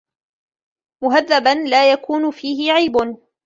مُهَذَّبًا لَا يَكُونُ فِيهِ عَيْبٌ